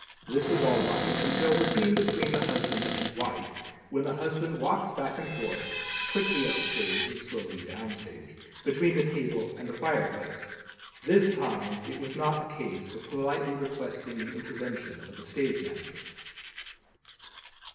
This was all right, until the scene between the Husband and Wife, when the Husband walks back and forth (quickly up stage and slowly down stage), between the table and the fire place. This time it was not a case of politely requesting the intervention of the stage manager.